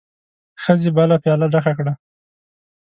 ښځې بله پياله ډکه کړه.